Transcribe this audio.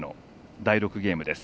第６ゲームです。